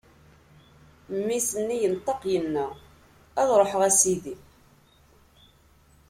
Mmi-s-nni yenṭeq, inna: Ad ṛuḥeɣ, a sidi!